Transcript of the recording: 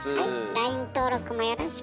ＬＩＮＥ登録もよろしく！